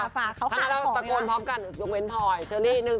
ถ้าตะโกนพับกันนิ้วเปิดแล้ว